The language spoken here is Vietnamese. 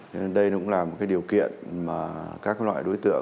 nên đây cũng là một cái điều kiện mà các loại đối tượng